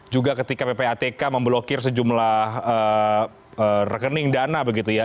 juga ketika ppatk memblokir sejumlah rekening dana begitu ya